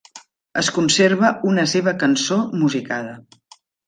Es conserva una seva cançó musicada.